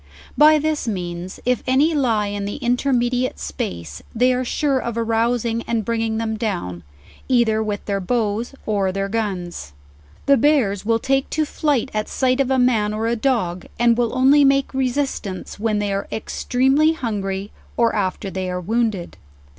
By this means, if any lie in the in termediate space, they are sure of arousing and bringing them down, either with their bows or ther guns. The bears will take to flight at sight of a man or a dog, and will only make resistance when they are extremely hungry, or after they are wounded.